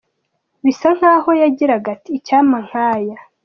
Bisa nk'aho yagiraga ati: "Icyampa nk'aya".